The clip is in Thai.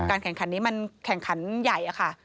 แข่งขันนี้มันแข่งขันใหญ่อะค่ะ